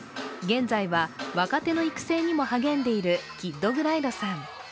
現在は若手の育成にも励んでいるキッド・グライドさん。